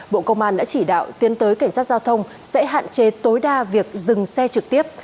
bộ công an đã chỉ đạo tiến tới cảnh sát giao thông sẽ hạn chế tối đa việc dừng xe trực tiếp